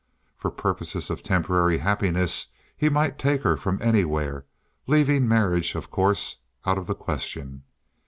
For purposes of temporary happiness he might take her from anywhere, leaving marriage, of course, out of the question.